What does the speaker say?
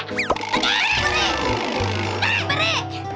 tegang beri beri